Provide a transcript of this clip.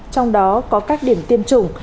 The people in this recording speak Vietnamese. trong đó có các điểm tiêm chủng